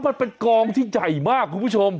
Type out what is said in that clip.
มันเป็นกองที่ใหญ่มากคุณผู้ชม